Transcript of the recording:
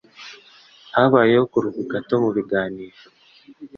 Habayeho kuruhuka gato mubiganiro.